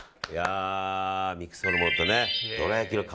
ミックスホルモンとねどら焼きの皮。